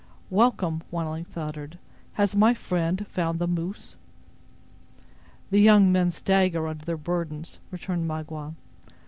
"Welcome!" one at length uttered; "has my friend found the moose?" "The young men stagger under their burdens," returned Magua.